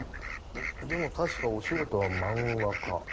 でも確かお仕事は「漫画家」。